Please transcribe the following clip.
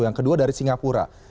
yang kedua dari singapura